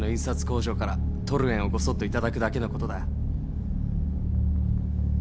工場からトルエンをごそっと頂くだけのことだ。